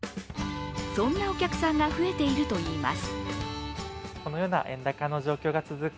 そんなお客さんが増えているといいます。